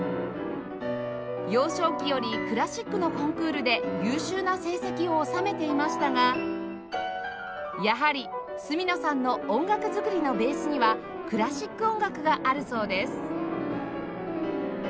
幼少期よりクラシックのコンクールで優秀な成績を収めていましたがやはり角野さんの音楽作りのベースにはクラシック音楽があるそうです